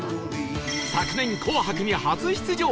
昨年『紅白』に初出場